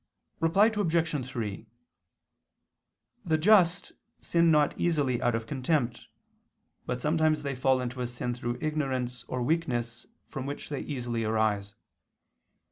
Reply Obj. 3: The just sin not easily out of contempt; but sometimes they fall into a sin through ignorance or weakness from which they easily arise.